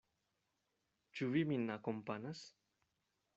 Ĉu vi min akompanas?